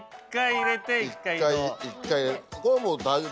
１回入れて１回移動。